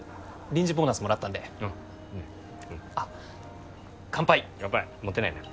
臨時ボーナスもらったんで乾杯乾杯持てないな